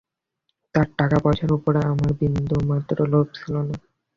তার টাকা পয়সার ওপরেও আমার বিন্দুমাত্র লোভ ছিল না।